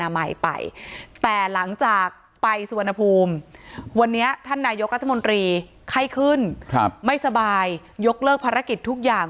ไม่สบายยกเลิกภารกิจทุกอย่าง